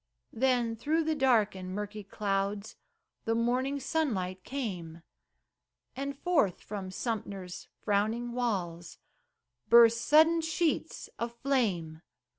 Then through the dark and murky clouds The morning sunlight came, And forth from Sumter's frowning walls Burst sudden sheets of flame.